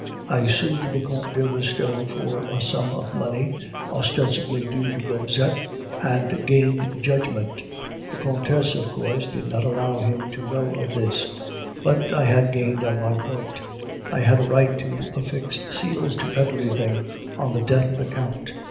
I sued the Comte de Restaud for a sum of money, ostensibly due to Gobseck, and gained judgment. The Countess, of course, did not allow him to know of this, but I had gained on my point, I had a right to affix seals to everything on the death of the Count.